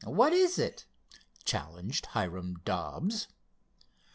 What is it?" challenged Hiram Dobbs.